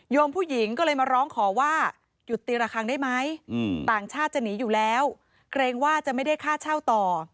ผู้หญิงก็เลยมาร้องขอว่าหยุดตีละครั้งได้ไหมต่างชาติจะหนีอยู่แล้วเกรงว่าจะไม่ได้ค่าเช่าต่อ